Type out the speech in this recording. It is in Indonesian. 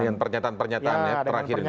dengan pernyataan pernyataannya terakhir ini ya